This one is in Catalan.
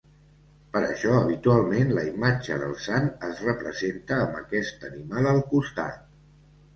Per això habitualment la imatge del sant es representa amb aquest animal al costat.